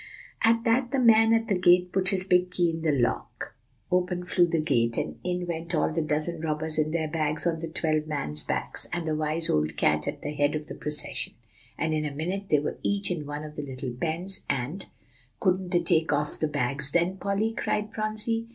"At that the man at the gate put his big key in the lock open flew the gate, and in went all the dozen robbers in their bags on the twelve men's backs, with the wise old cat at the head of the procession; and in a minute they were each in one of the little pens, and" [Illustration: The robbers and their bags.] "Couldn't they take off the bags then, Polly?" cried Phronsie.